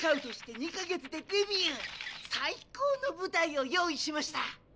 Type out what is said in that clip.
最高のぶたいを用意しました！」。